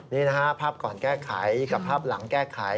นี่นะฮะภาพก่อนแก้ไขกับภาพหลังแก้ไข